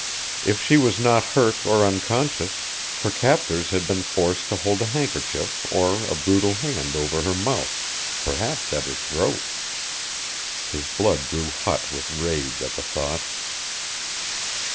If she was not hurt or unconscious, her captors had been forced to hold a handkerchief or a brutal hand over her mouth, perhaps at her throat! His blood grew hot with rage at the thought.